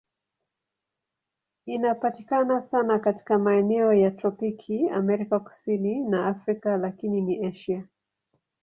Inapatikana sana katika maeneo ya tropiki Amerika Kusini na Afrika, lakini si Asia.